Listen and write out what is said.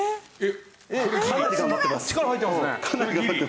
力入ってますね。